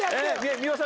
三輪さん